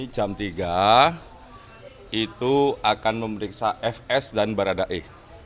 jam tiga itu akan memeriksa fs dan barada e